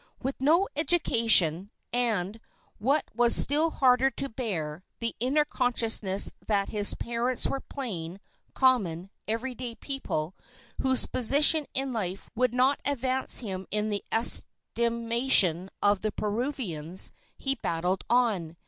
With no education, and, what was still harder to bear, the inner consciousness that his parents were plain, common, every day people whose position in life would not advance him in the estimation of the Peruvians, he battled on.